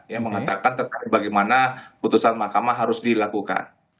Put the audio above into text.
yang mengatakan terkait bagaimana putusan mahkamah harus dilakukan